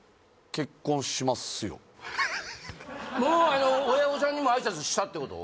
結婚しますよもう親御さんにも挨拶したってこと？